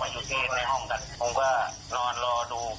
อย่ากลับทุกคนที่เคยอยู่ในนี้อย่ากลับกับทุกคน